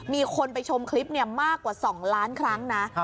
มีคนไปชมคลิปเนี่ยมากกว่าสองล้านครั้งนะ